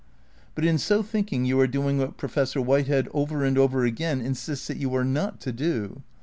But in so thinking you are doing what Professor White head over and over again insists that you are not to do.